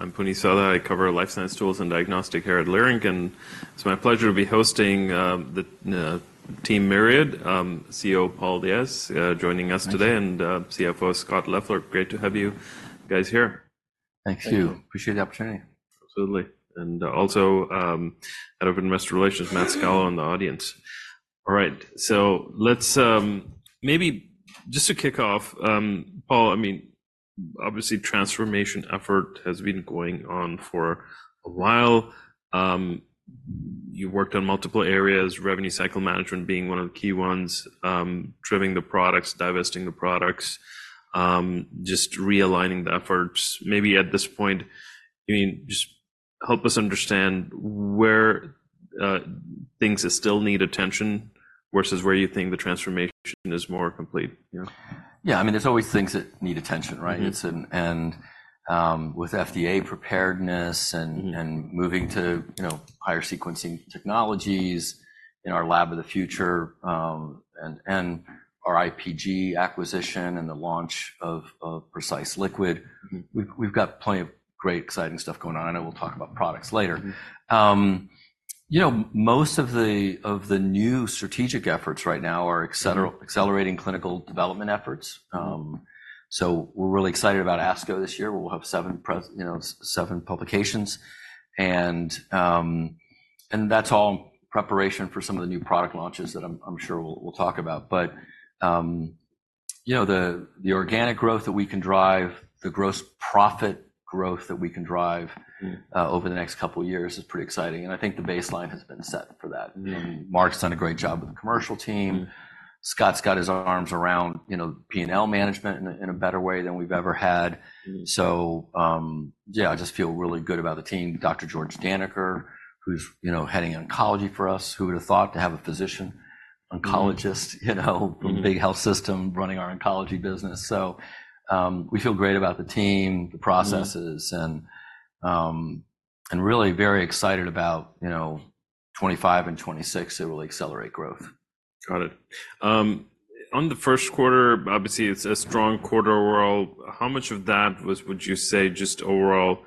I'm Puneet Souda. I cover life science tools and diagnostics here at Leerink, and it's my pleasure to be hosting the Team Myriad CEO Paul Diaz joining us today and, CFO Scott Leffler. Great to have you guys here. Thank you. Thank you. Appreciate the opportunity. Absolutely. And also, Head of Investor Relations, Matt Scalo, in the audience. All right, so let's, maybe just to kick off, Paul, I mean, obviously, transformation effort has been going on for a while. You've worked on multiple areas, revenue cycle management being one of the key ones, trimming the products, divesting the products, just realigning the efforts. Maybe at this point, I mean, just help us understand where, things still need attention versus where you think the transformation is more complete. Yeah. Yeah, I mean, there's always things that need attention, right? It's and, with FDA preparedness and moving to, you know, higher sequencing technologies in our lab of the future, and our IPG acquisition and the launch of Precise Liquid, we've got plenty of great exciting stuff going on, and we'll talk about products later. You know, most of the new strategic efforts right now are accelerating clinical development efforts. So we're really excited about ASCO this year, where we'll have seven presentations, you know, seven publications. And that's all in preparation for some of the new product launches that I'm sure we'll talk about. But, you know, the organic growth that we can drive, the gross profit growth that we can drive over the next couple of years is pretty exciting, and I think the baseline has been set for that. Mark's done a great job with the commercial team. Scott's got his arms around, you know, P&L management in a better way than we've ever had. Yeah, I just feel really good about the team. Dr. George Daneker, who's, you know, heading oncology for us. Who would have thought to have a physician oncologist, you know a big health system running our oncology business? So, we feel great about the team, the processes-and really very excited about, you know, 2025 and 2026, it will accelerate growth. Got it. On the Q1, obviously, it's a strong quarter overall. How much of that was, would you say, just overall,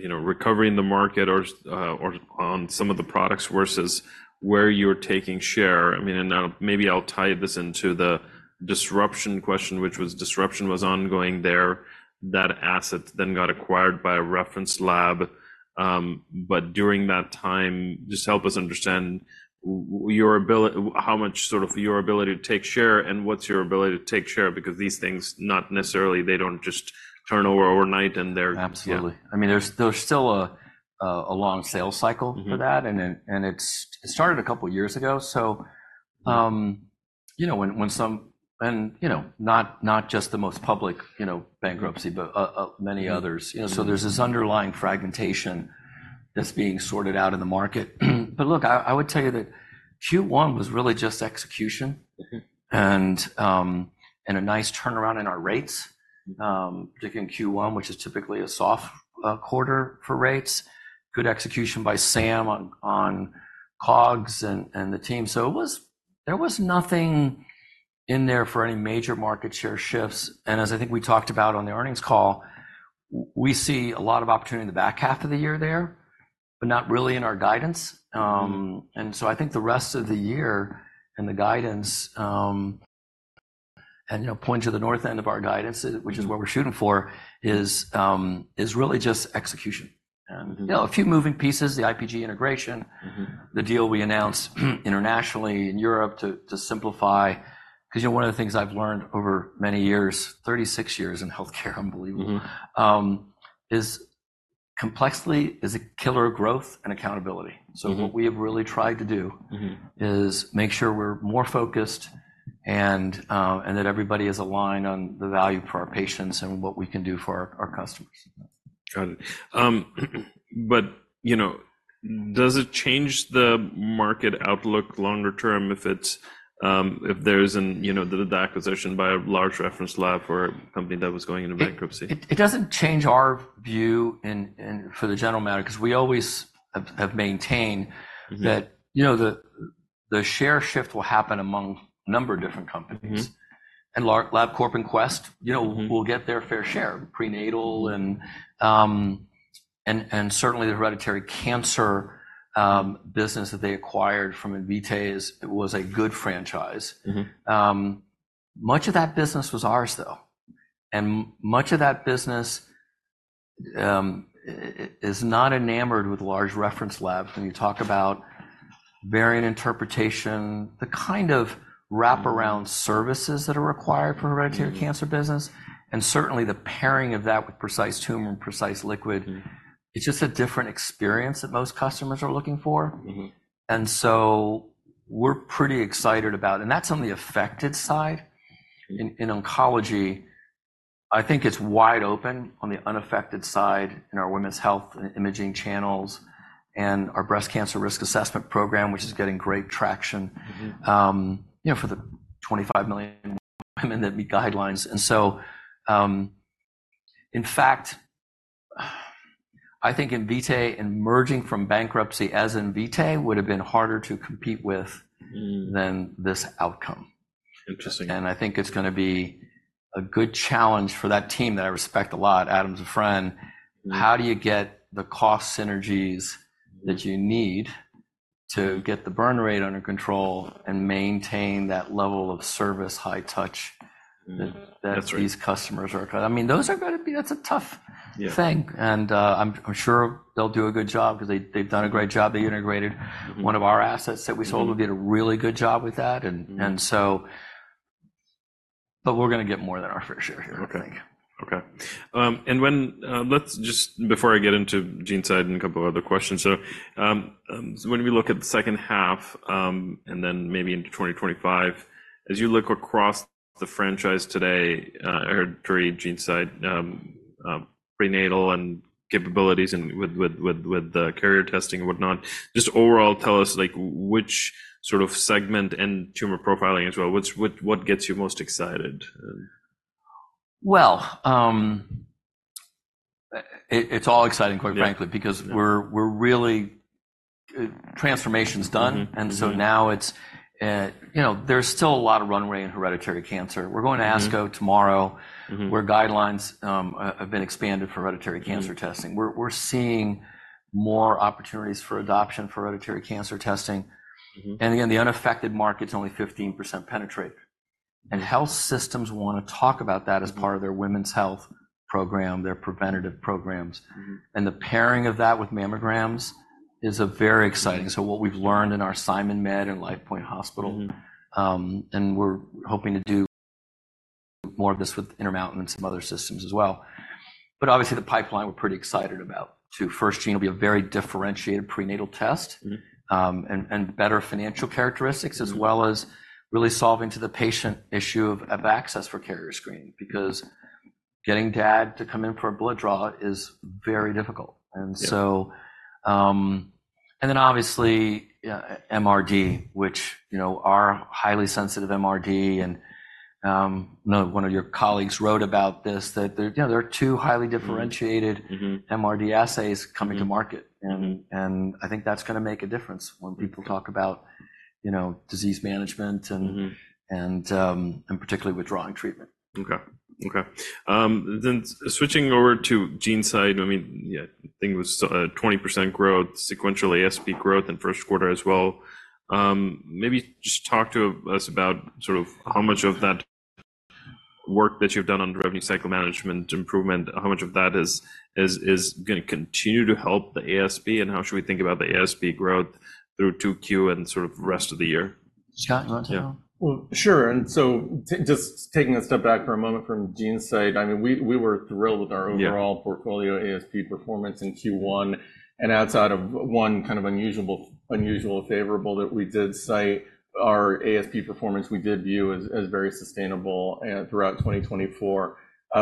you know, recovering the market or, or on some of the products versus where you're taking share? I mean, and now maybe I'll tie this into the disruption question, which was disruption was ongoing there. That asset then got acquired by a reference lab, but during that time, just help us understand your ability, how much sort of your ability to take share and what's your ability to take share, because these things, not necessarily, they don't just turn over overnight, and they're absolutely. I mean, there's still a long sales cycle for that and it, and it's started a couple of years ago. So, you know, when, when some and, you know, not, not just the most public, you know, bankruptcy, but, many others, you know, so there's this underlying fragmentation that's being sorted out in the market. But look, I, I would tell you that Q1 was really just execution and a nice turnaround in our rates, particularly in Q1, which is typically a soft quarter for rates. Good execution by Sam on COGS and the team. So there was nothing in there for any major market share shifts. And as I think we talked about on the earnings call, we see a lot of opportunity in the back half of the year there, but not really in our guidance. And so I think the rest of the year and the guidance, and, you know, point to the north end of our guidance, which is what we're shooting for, is really just execution. You know, a few moving pieces, the IPG integration the deal we announced internationally in Europe to simplify. 'Cause, you know, one of the things I've learned over many years, 36 years in healthcare, unbelievable complexity is a killer of growth and accountability. So what we have really tried to do is make sure we're more focused and, and that everybody is aligned on the value for our patients and what we can do for our, our customers. Got it. But, you know, does it change the market outlook longer term if it's, if there isn't, you know, the acquisition by a large reference lab or a company that was going into bankruptcy? It doesn't change our view and for the general matter, 'cause we always have maintained that, you know, the share shift will happen among a number of different companies. Labcorp and Quest, you know will get their fair share, prenatal and certainly the hereditary cancer business that they acquired from Invitae is, was a good franchise. Much of that business was ours, though, and much of that business is not enamored with large reference labs. When you talk about variant interpretation, the kind of wraparound services that are required for a hereditary cancer business, and certainly the pairing of that with Precise Tumor and Precise Liquid it's just a different experience that most customers are looking for. And so we're pretty excited about, and that's on the affected side. In oncology, I think it's wide open on the unaffected side in our women's health and imaging channels and our breast cancer risk assessment program, which is getting great traction you know, for the 25 million women that meet guidelines. And so, in fact, I think Invitae emerging from bankruptcy as Invitae would have been harder to compete with, than this outcome. And I think it's gonna be a good challenge for that team that I respect a lot. Adam's a friend. How do you get the cost synergies that you need to get the burn rate under control and maintain that level of service, high touch-that these customers are, I mean, those are gonna be, that's a tough thing. Yeah. I'm sure they'll do a good job because they've done a great job. They integrated- one of our assets that we sold. They did a really good job with that- But we're gonna get more than our fair share here, I think. Okay. Okay. And when, let's just, before I get into GeneSight and a couple of other questions, so, so when we look at the second half, and then maybe into 2025, as you look across the franchise today, hereditary GeneSight, prenatal and capabilities and with the carrier testing and whatnot, just overall, tell us, like, which sort of segment and tumor profiling as well, what gets you most excited, and? Well, it's all exciting, quite frankly because we're really transformation's done. And so now it's, you know, there's still a lot of runway in hereditary cancer. We're going to ASCO tomorrow where guidelines have been expanded for hereditary cancer testing. We're seeing more opportunities for adoption for hereditary cancer testing. And again, the unaffected market's only 15% penetrate, and health systems want to talk about that- as part of their women's health program, their preventative programs. And the pairing of that with mammograms is very exciting, so what we've learned in our SimonMed and LifePoint Hospital and we're hoping to do more of this with Intermountain and some other systems as well. But obviously, the pipeline, we're pretty excited about, too. FirstGene will be a very differentiated prenatal test- and better financial characteristics as well as really solving to the patient issue of access for carrier screening, because getting dad to come in for a blood draw is very difficult. And then obviously, MRD, which, you know, our highly sensitive MRD, and I know one of your colleagues wrote about this, that there, you know, there are two highly differentiated MRD assays coming to market. And I think that's gonna make a difference when people talk about, you know, disease management and and particularly withdrawing treatment. Okay. Okay. Then switching over to GeneSight, I mean, yeah, I think it was 20% growth, sequential ASP growth in Q1 as well. Maybe just talk to us about sort of how much of that work that you've done on the revenue cycle management improvement, how much of that is gonna continue to help the ASP, and how should we think about the ASP growth through 2Q and sort of the rest of the year? Scott, do you want to? Well, sure. And so just taking a step back for a moment from GeneSight, I mean, we, we were thrilled with our overall- ASP performance in Q1. And outside of one kind of unusual favorable that we did cite, our ASP performance, we did view as very sustainable and throughout 2024.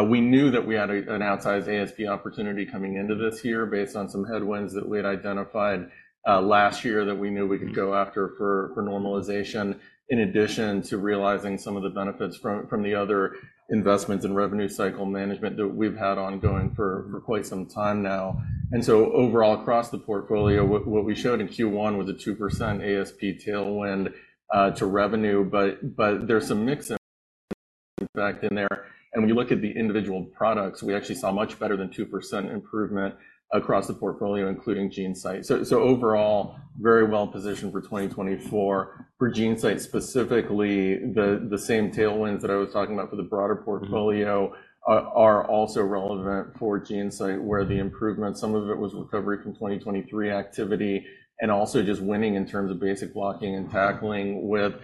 We knew that we had an outsized ASP opportunity coming into this year based on some headwinds that we had identified last year that we knew we could go after for normalization, in addition to realizing some of the benefits from the other investments in revenue cycle management that we've had ongoing for quite some time now. And so overall, across the portfolio, what we showed in Q1 was a 2% ASP tailwind to revenue. But there's some mix effect in there, and when you look at the individual products, we actually saw much better than 2% improvement across the portfolio, including GeneSight. So, overall, very well positioned for 2024. For GeneSight, specifically, the same tailwinds that I was talking about for the broader portfolio are also relevant for GeneSight, where the improvement, some of it was recovery from 2023 activity and also just winning in terms of basic blocking and tackling with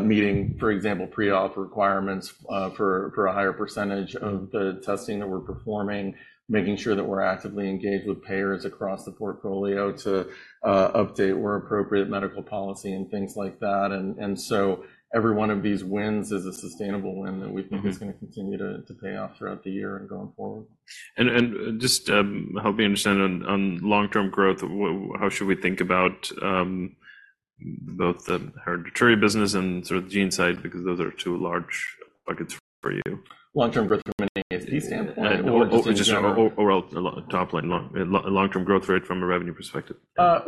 meeting, for example, pre-op requirements for a higher percentage of the testing that we're performing, making sure that we're actively engaged with payers across the portfolio to update where appropriate, medical policy and things like that. And so every one of these wins is a sustainable win that we think- is gonna continue to pay off throughout the year and going forward. Just help me understand on long-term growth, how should we think about both the hereditary business and sort of GeneSight? Because those are two large buckets for you. Long-term growth from an ASP standpoint or just in general? Just overall, top line, long-term growth rate from a revenue perspective.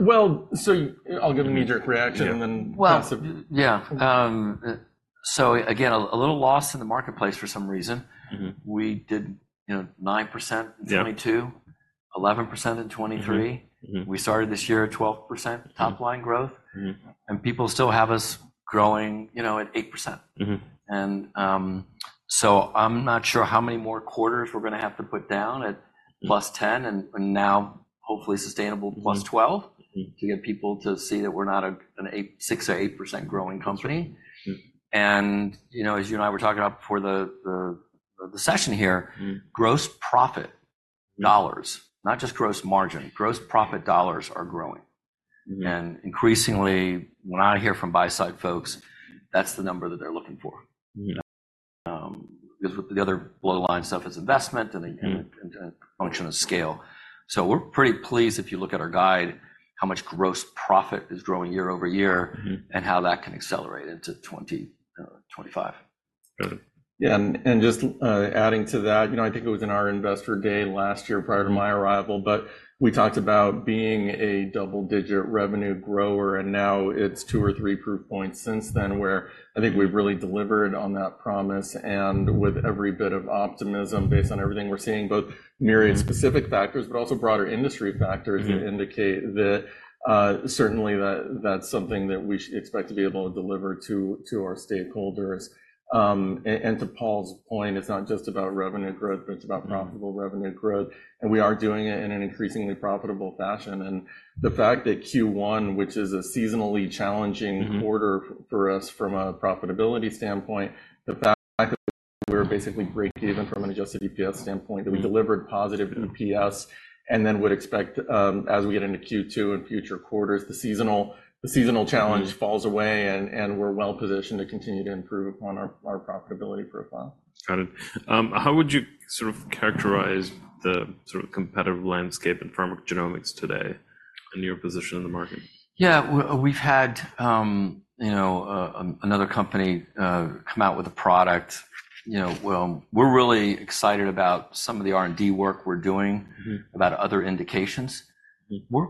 Well, so I'll give a knee-jerk reaction and then Well, yeah. So again, a little lost in the marketplace for some reason. We did, you know, 9% in 2022, 11% in 2023. We started this year at 12% top-line growth. People still have us growing, you know, at 8%. And, so I'm not sure how many more quarters we're gonna have to put down at +10, and now hopefully sustainable +12 to get people to see that we're not a 6%, 8% growing company. You know, as you and I were talking about before the session here gross profit dollars, not just gross margin, gross profit dollars are growing. Increasingly, when I hear from buy-side folks, that's the number that they're looking for. Because the other bottom line stuff is investment and the and a function of scale. So we're pretty pleased, if you look at our guide, how much gross profit is growing year-over-year and how that can accelerate into 2025. Got it. Yeah, and just adding to that, you know, I think it was in our Investor Day last year prior to my arrival, but we talked about being a double-digit revenue grower, and now it's two or three proof points since then where I think we've really delivered on that promise, and with every bit of optimism based on everything we're seeing, both Myriad specific factors, but also broader industry factors- -that indicate that, certainly that, that's something that we expect to be able to deliver to, to our stakeholders. And to Paul's point, it's not just about revenue growth, but it's about profitable revenue growth, and we are doing it in an increasingly profitable fashion and the fact that Q1, which is a seasonally challenging quarter for us from a profitability standpoint, the fact that we're basically breakeven from an adjusted EPS standpoint that we delivered positive EPS and then would expect, as we get into Q2 and future quarters, the seasonal challenge falls away, and we're well positioned to continue to improve upon our profitability profile. Got it. How would you sort of characterize the sort of competitive landscape in pharmacogenomics today and your position in the market? Yeah, we've had, you know, another company come out with a product. You know, well, we're really excited about some of the R&D work we're doing about other indications. We're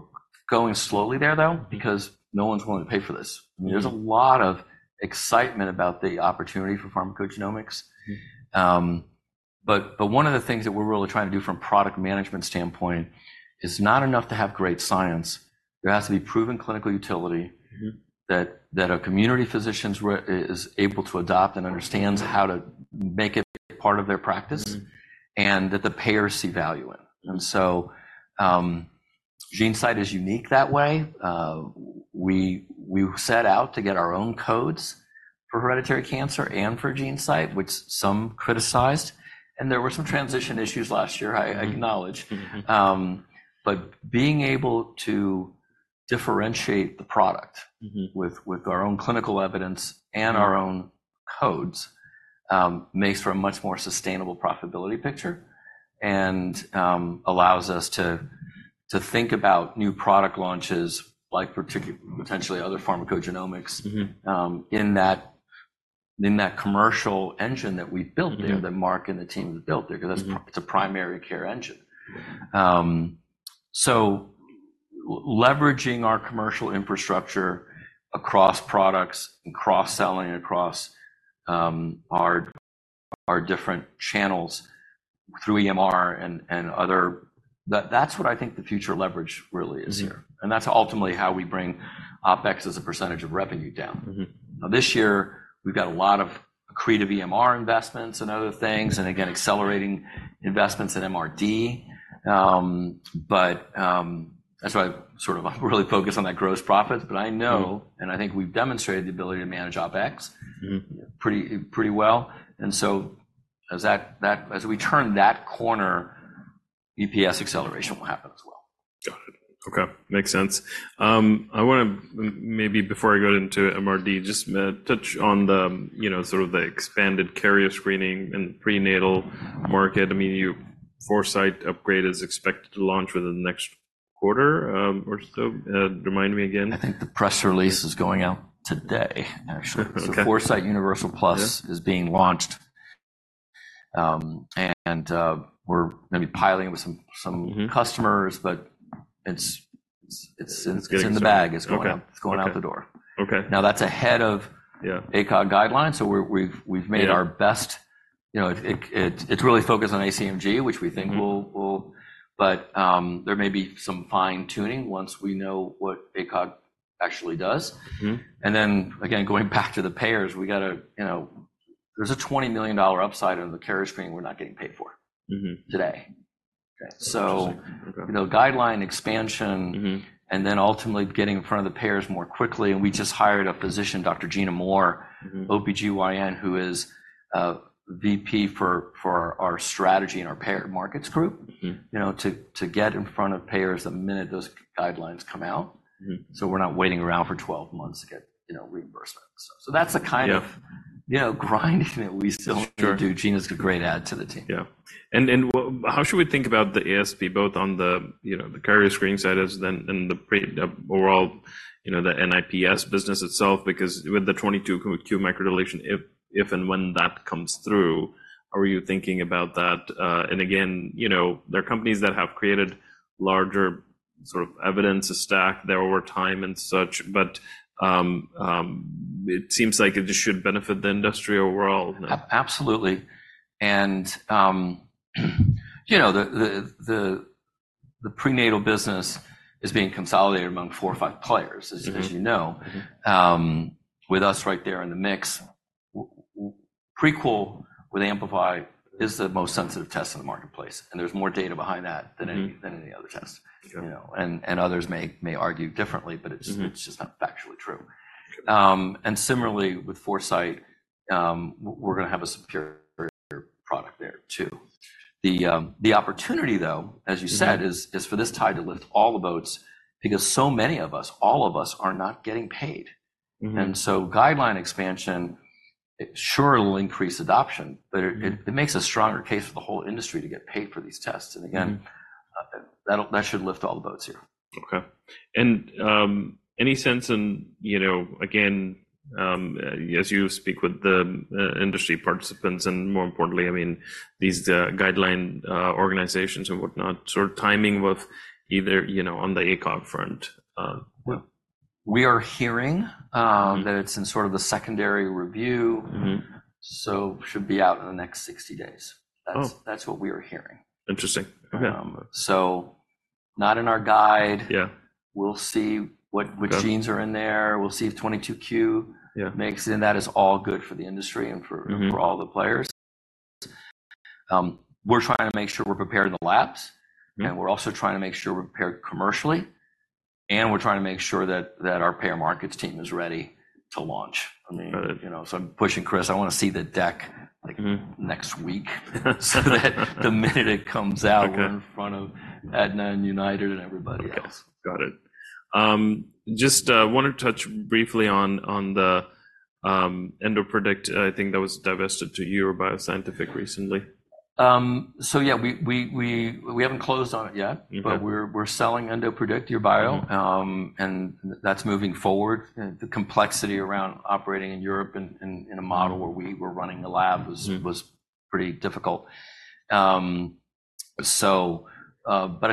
going slowly there, though, because no one's willing to pay for this. There's a lot of excitement about the opportunity for pharmacogenomics. One of the things that we're really trying to do from a product management standpoint, it's not enough to have great science. There has to be proven clinical utility that our community physicians who is able to adopt and understands how to make it part of their practice and that the payers see value in. And so, GeneSight is unique that way. We set out to get our own codes for hereditary cancer and for GeneSight, which some criticized, and there were some transition issues last year. I acknowledge. But being able to differentiate the product with our own clinical evidence and our own codes makes for a much more sustainable profitability picture, and allows us to think about new product launches, like potentially other pharmacogenomics in that, in that commercial engine that we built there that Mark and the team have built there because that's, it's a primary care engine. So leveraging our commercial infrastructure across products, and cross-selling across our different channels through EMR and other, that's what I think the future leverage really is here. That's ultimately how we bring OpEx as a percentage of revenue down. Now, this year, we've got a lot of accretive EMR investments and other things and again, accelerating investments in MRD. But, that's why I'm sort of really focused on that gross profit. But I know, and I think we've demonstrated the ability to manage OpEx pretty well, and so as we turn that corner, EPS acceleration will happen as well. Got it. Okay, makes sense. I want to maybe before I get into MRD, just touch on the, you know, sort of the expanded carrier screening and prenatal market. I mean, your Foresight upgrade is expected to launch within the next quarter, or so. Remind me again? I think the press release is going out today, actually. Okay. Foresight Universal Plus is being launched, and we're going to be piloting it with some customers, but it's in the bag. It's going out, It's going out the door. Okay. Now, that's ahead of ACOG guidelines, so we're, we've made our best, you know, it's really focused on ACMG, which we think will, but, there may be some fine-tuning once we know what ACOG actually does. Then, again, going back to the payers, we got to, you know, there's a $20 million upside on the carrier screening we're not getting paid for today. Okay. So you know, guideline expansion and then ultimately getting in front of the payers more quickly, and we just hired a physician, Dr. Gina Moore, OBGYN, who is VP for our strategy and our payer markets group, you know, to get in front of payers the minute those guidelines come out. So we're not waiting around for 12 months to get, you know, reimbursement. So, so that's the kind of you know, grinding that we still need to do. Gina's a great add to the team. Yeah. And how should we think about the ASP, both on the, you know, the carrier screening side and then the overall, you know, the NIPS business itself? Because with the 22q microdeletion, if and when that comes through, how are you thinking about that? And again, you know, there are companies that have created larger sort of evidence to stack there over time and such, but it seems like it just should benefit the industry overall. Absolutely. And, you know, the prenatal business is being consolidated among four or five players as you know. With us right there in the mix. Prequel, with Amplify, is the most sensitive test on the marketplace, and there's more data behind that than any other test. Sure. You know, and others may argue differently, but it's, it's just not factually true. And similarly with Foresight, we're gonna have a superior product there, too. The opportunity, though, as you said is for this tide to lift all the boats because so many of us, all of us, are not getting paid. And so guideline expansion, it sure will increase adoption, but it it makes a stronger case for the whole industry to get paid for these tests. And again that should lift all the boats here. Okay. And any sense in, you know, again, as you speak with the industry participants, and more importantly, I mean, these guideline organizations and whatnot, sort of timing with either, you know, on the ACOG front? We are hearing that it's in sort of the secondary review. should be out in the next 60 days. That's, that's what we are hearing. Interesting. Okay. So, not in our guide. Yeah. We'll see what which genes are in there. We'll see if 22q makes it in. That is all good for the industry and for for all the players. We're trying to make sure we're prepared in the labs. We're also trying to make sure we're prepared commercially, and we're trying to make sure that our payer markets team is ready to launch. Got it. I mean, you know, so I'm pushing Chris. I want to see the deck, like next week, so that the minute it comes out we're in front of Aetna and United and everybody else. Okay. Got it. Just wanted to touch briefly on the EndoPredict. I think that was divested to Eurobio Scientific recently. Yeah, we haven't closed on it yet but we're selling EndoPredict, Eurobio. And that's moving forward. The complexity around operating in Europe in a model where we were running the lab was, was pretty difficult. But I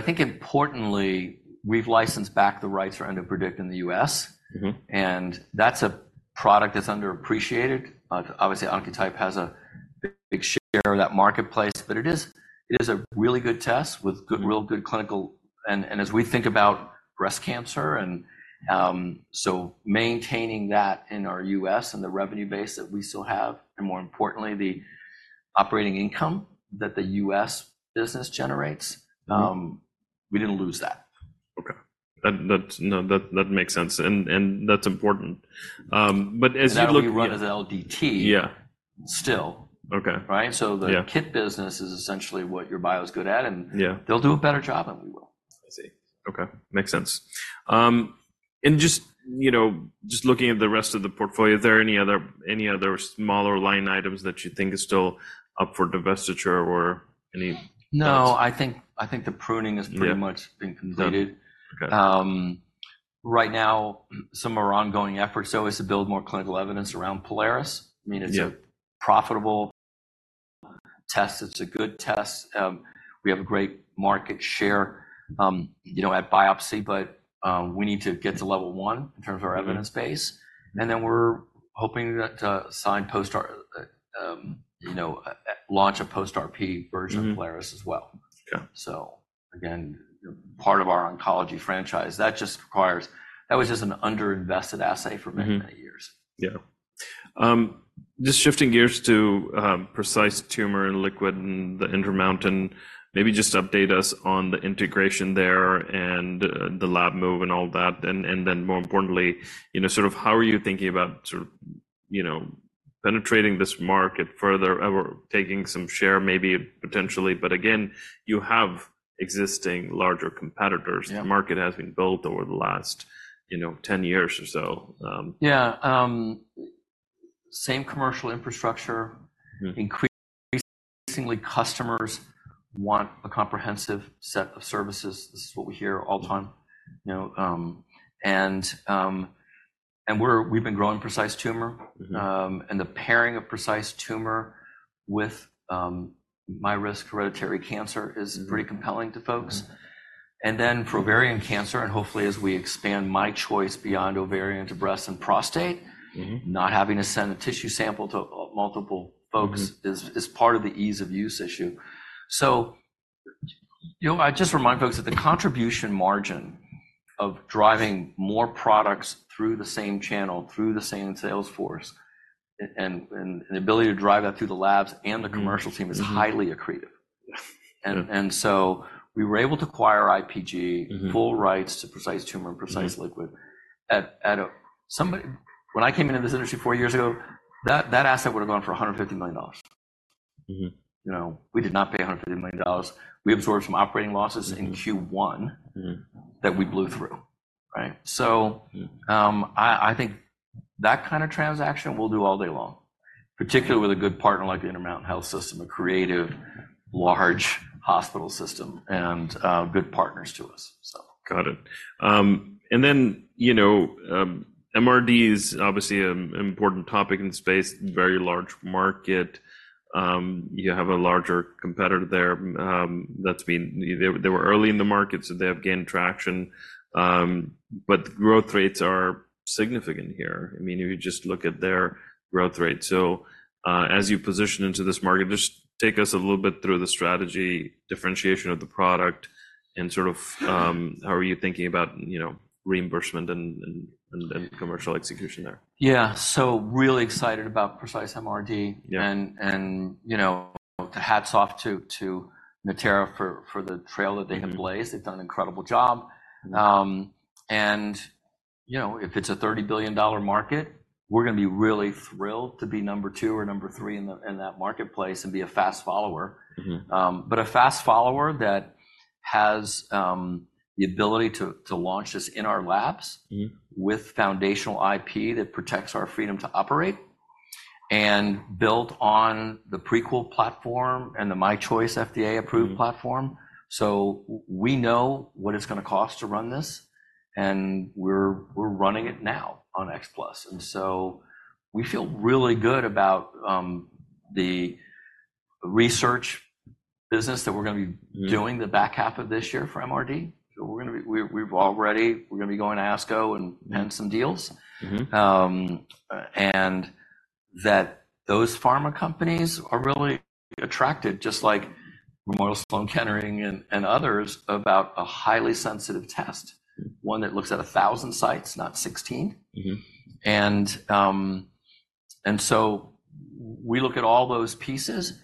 think importantly, we've licensed back the rights for EndoPredict in the U.S. And that's a product that's underappreciated. Obviously, Oncotype has a big share of that marketplace, but it is, it is a really good test with good, real good clinical. And as we think about breast cancer, so maintaining that in our U.S. and the revenue base that we still have, and more importantly, the operating income that the U.S. business generates we didn't lose that. Okay. That makes sense, and that's important. But as you look at- That we run as LDT still. Okay. Right? Yeah. The kit business is essentially what Eurobio is good at, they'll do a better job than we will. I see. Okay, makes sense. And just, you know, just looking at the rest of the portfolio, are there any other, any other smaller line items that you think are still up for divestiture or any- No, I think the pruning is pretty much been completed. Okay. Right now, some of our ongoing efforts always to build more clinical evidence around Prolaris. Yeah. I mean, it's a profitable test. It's a good test. We have a great market share, you know, at biopsy, but we need to get to level one in terms of our evidence base. Then we're hoping that to signpost, you know, launch a post-RP version of Prolaris as well. Yeah. So again, part of our oncology franchise. That was just an underinvested assay for many, many years. Yeah. Just shifting gears to Precise Tumor and Liquid and the Intermountain, maybe just update us on the integration there and the lab move and all that. And then more importantly, you know, sort of how are you thinking about sort of, you know, penetrating this market further or taking some share, maybe potentially? But again, you have existing larger competitors. The market has been built over the last, you know, 10 years or so. Yeah, same commercial infrastructure. Increasingly, customers want a comprehensive set of services. This is what we hear all the time, you know. And we've been growing Precise Tumor. And the pairing of Precise Tumor with MyRisk Hereditary Cancer is pretty compelling to folks. And then for ovarian cancer, and hopefully, as we expand MyChoice beyond ovarian to breast and prostate not having to send a tissue sample to multiple folks is part of the ease-of-use issue. So, you know, I just remind folks that the contribution margin of driving more products through the same channel, through the same sales force, and the ability to drive that through the labs and the commercial team is highly accretive. So we were able to acquire IPG full rights to Precise Tumor and Precise Liquid. When I came into this industry four years ago, that asset would have gone for $150 million. You know, we did not pay $150 million. We absorbed some operating losses in Q1 that we blew through. Right? So, I think that kind of transaction we'll do all day long, particularly with a good partner like the Intermountain Health System, a creative, large hospital system, and, good partners to us, so. Got it. And then, you know, MRD is obviously an important topic in the space. Very large market. You have a larger competitor there, that's been, they were early in the market, so they have gained traction. But growth rates are significant here. I mean, if you just look at their growth rate. So, as you position into this market, just take us a little bit through the strategy, differentiation of the product, and sort of, how are you thinking about, you know, reimbursement and commercial execution there? Yeah. So really excited about Precise MRD. And you know, hats off to Natera for the trail that they have blazed. They've done an incredible job. You know, if it's a $30 billion market, we're gonna be really thrilled to be number two or number three in that marketplace and be a fast follower but a fast follower that has the ability to launch this in our labs with foundational IP that protects our freedom to operate and built on the Prequel platform and the MyChoice FDA-approved platform. So we know what it's going to cost to run this, and we're running it now on X Plus. And so we feel really good about the research business that we're going to be doing the back half of this year for MRD. So we're going to be. We've already, e're going to be going to ASCO and pending some deals. And that those pharma companies are really attracted, just like Memorial Sloan Kettering and others, about a highly sensitive test, one that looks at 1,000 sites, not 16. and so we look at all those pieces.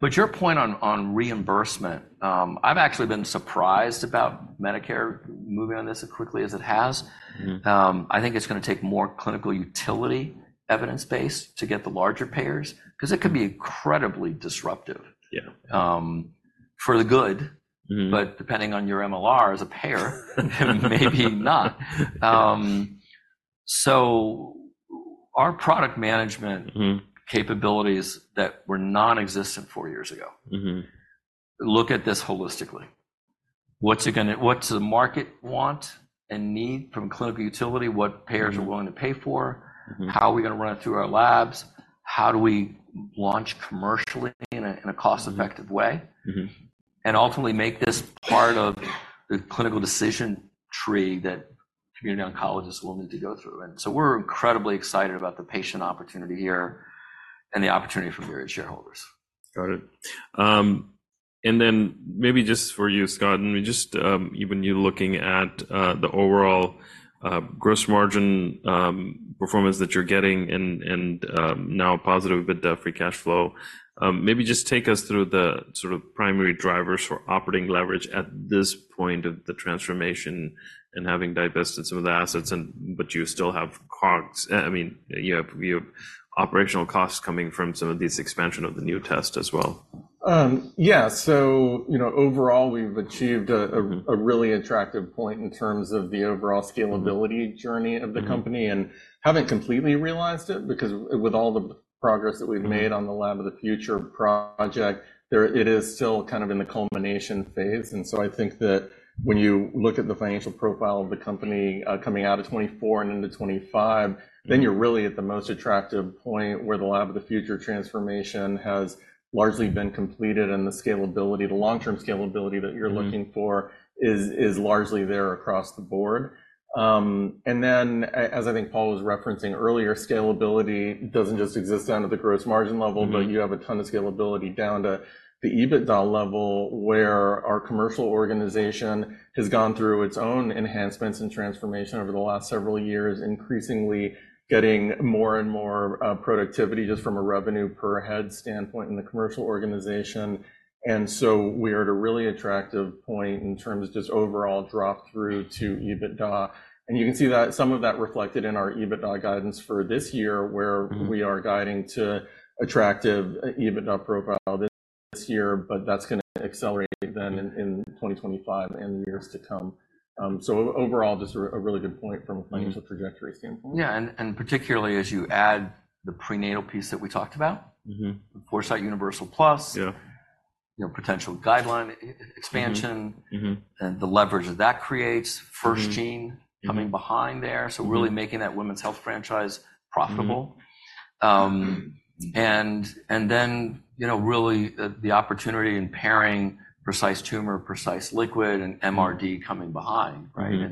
But your point on reimbursement, I've actually been surprised about Medicare moving on this as quickly as it has. I think it's going to take more clinical utility evidence base to get the larger payers because it could be incredibly disruptive for the good. But depending on your MLR as a payer, maybe not. So our product management capabilities that were nonexistent four years ago look at this holistically. What's the market want and need from clinical utility? What payers are willing to pay for? How are we going to run it through our labs? How do we launch commercially in a cost-effective way? And ultimately make this part of the clinical decision tree that community oncologists will need to go through. And so we're incredibly excited about the patient opportunity here and the opportunity for Myriad shareholders. Got it. And then maybe just for you, Scott, I mean, just, even you looking at the overall gross margin performance that you're getting and, and, now positive with the free cash flow. Maybe just take us through the sort of primary drivers for operating leverage at this point of the transformation and having divested some of the assets and, ut you still have costs. I mean, you have, you have operational costs coming from some of these expansion of the new test as well. Yeah. So, you know, overall, we've achieved a really attractive point in terms of the overall scalability journey of the company, and haven't completely realized it because with all the progress that we've made on the Lab of the Future project, there it is still kind of in the culmination phase. And so I think that when you look at the financial profile of the company, coming out of 2024 and into 2025, then you're really at the most attractive point where the Lab of the Future transformation has largely been completed, and the scalability, the long-term scalability that you're looking for is largely there across the board. And then as I think Paul was referencing earlier, scalability doesn't just exist down at the gross margin level but you have a ton of scalability down to the EBITDA level, where our commercial organization has gone through its own enhancements and transformation over the last several years, increasingly getting more and more productivity just from a revenue per head standpoint in the commercial organization. And so we are at a really attractive point in terms of just overall drop through to EBITDA. And you can see that, some of that reflected in our EBITDA guidance for this year, where we are guiding to attractive EBITDA profile this year, but that's going to accelerate then in 2025 and the years to come. So overall, just a really good point from a financial trajectory standpoint. Yeah, and particularly as you add the prenatal piece that we talked about. Foresight Universal Plus. Yeah. You know, potential guideline expansion and the leverage that that creates. FirstGene coming behind there, so really making that women's health franchise profitable. And then, you know, really, the opportunity in pairing Precise Tumor, Precise Liquid, and MRD coming behind, right?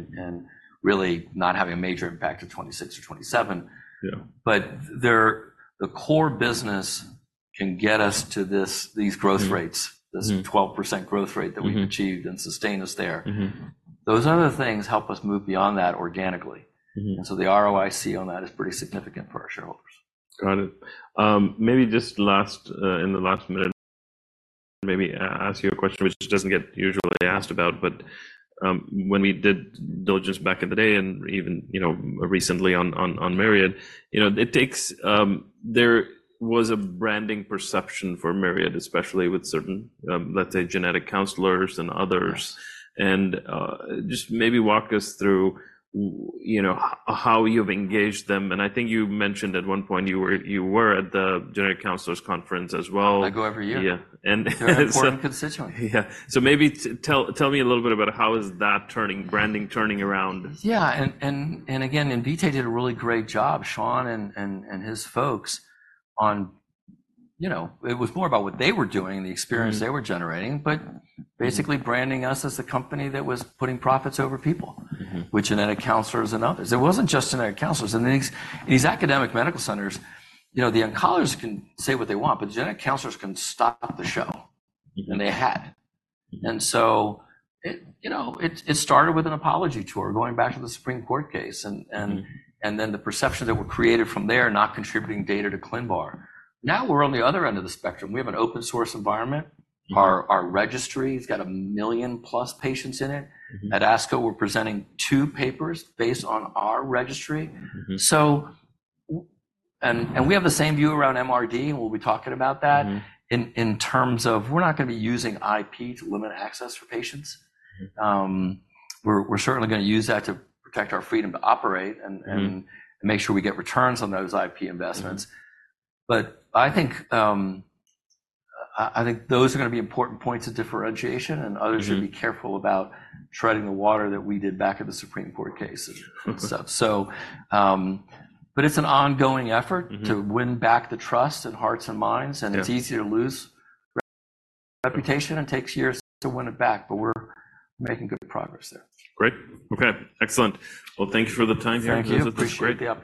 really not having a major impact in 2026 or 2027. But the core business can get us to these growth rates this 12% growth rate that we've achieved and sustain us there. Those other things help us move beyond that organically. And so the ROIC on that is pretty significant for our shareholders. Got it. Maybe just last in the last minute, maybe ask you a question which doesn't get usually asked about, but, when we did diligence back in the day and even, you know, recently on Myriad, you know, it takes, there was a branding perception for Myriad, especially with certain, let's say, genetic counselors and others. Just maybe walk us through, you know, how you've engaged them, and I think you mentioned at one point you were at the genetic counselors conference as well. I go every year. Yeah, and, so- They're an important constituent. Yeah. So maybe tell me a little bit about how is that turning, branding turning around? Yeah, and again, Invitae did a really great job, Sean and his folks on, you know, it was more about what they were doing and the experience they were generating but basically branding us as the company that was putting profits over people, with genetic counselors and others. It wasn't just genetic counselors. In these academic medical centers, you know, the oncologists can say what they want, but genetic counselors can stop the show, and they had. And so it, you know, started with an apology tour, going back to the Supreme Court case and, and, and then the perception that were created from there, not contributing data to ClinVar. Now, we're on the other end of the spectrum. We have an open source environment. Our registry has got a million-plus patients in it. At ASCO, we're presenting two papers based on our registry. So, and we have the same view around MRD, and we'll be talking about that, in terms of we're not going to be using IP to limit access for patients. We're certainly going to use that to protect our freedom to operate and, and, and make sure we get returns on those IP investments. But I think those are going to be important points of differentiation, and others should be careful about treading water that we did back at the Supreme Court case and stuff. So, but it's an ongoing effort to win back the trust and hearts and minds and it's easy to lose reputation. It takes years to win it back, but we're making good progress there. Great. Okay, excellent. Well, thank you for the time here. Thank you. Appreciate the opportunity.